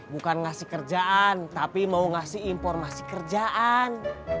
bukan ngasih kerjaan tapi mau ngasih informasi kerjaan